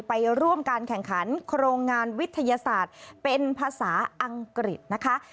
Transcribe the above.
ไปร่วมการแข่งขันโครงงานวิทยาศาสตร์เป็นภาษาอังกฤษนะคะ